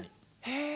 へえ。